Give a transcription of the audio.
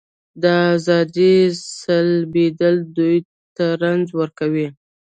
د ازادۍ سلبېدل دوی ته رنځ ورکوي.